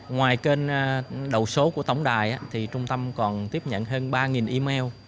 ngoài kênh đầu số của tổng đài thì trung tâm còn tiếp nhận hơn ba email